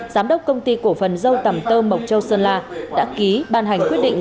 giám đốc công ty cổ phần dâu tầm tơ mộc châu sơn la đã ký ban hành quyết định